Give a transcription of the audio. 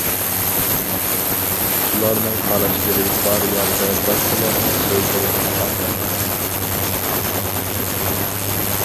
ئۇلارنىڭ قاراشلىرى بار يەردە باشقىلارنىڭ سۆزلىرىنى ئالمايمەن.